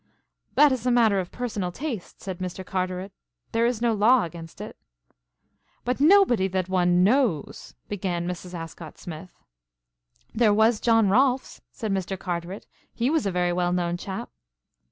"That is a matter of personal taste," said Mr. Carteret. "There is no law against it." "But nobody that one knows " began Mrs. Ascott Smith. "There was John Rohlfs," said Mr. Carteret; "he was a very well known chap."